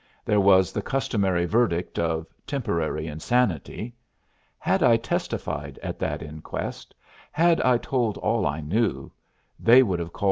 There was the customary verdict of 'temporary insanity.' Had I testified at that inquest had I told all I knew, they would have called me mad!"